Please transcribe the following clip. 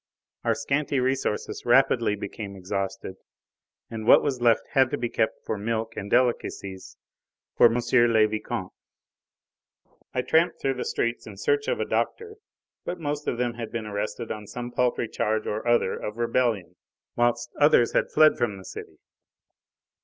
Our scanty resources rapidly became exhausted, and what was left had to be kept for milk and delicacies for M. le Vicomte. I tramped through the streets in search of a doctor, but most of them had been arrested on some paltry charge or other of rebellion, whilst others had fled from the city.